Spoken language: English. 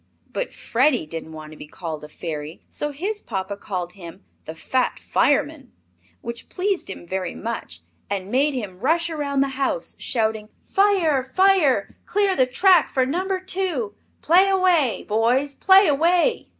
But Freddie didn't want to be called a fairy, so his papa called him the Fat Fireman, which pleased him very much, and made him rush around the house shouting: "Fire! fire! Clear the track for Number Two! Play away, boys, play away!"